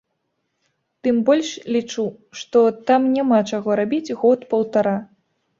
Тым больш лічу, што там няма чаго рабіць год-паўтара.